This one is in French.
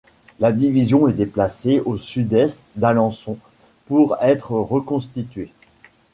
La division est déplacée au sud-est d'Alençon pour être reconstituée.